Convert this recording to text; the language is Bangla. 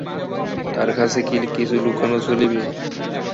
তাঁর কাছে কি কিছু লুকানো চলিবে?